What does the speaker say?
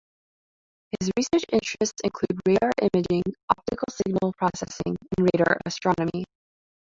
His research interests include radar imaging, optical signal processing, and radar astronomy.